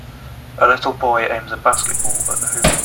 A little boy aims a basketball at the hoop.